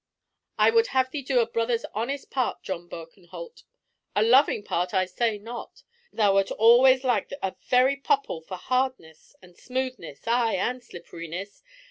"I would have thee do a brother's honest part, John Birkenholt. A loving part I say not. Thou wert always like a very popple for hardness, and smoothness, ay, and slipperiness.